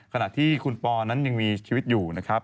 ขณะที่คุณปอนั้นยังมีชีวิตอยู่นะครับ